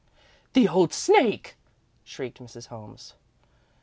"The old snake!" shrieked Mrs. Holmes.